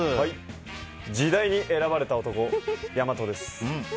時代に選ばれた男やまとです。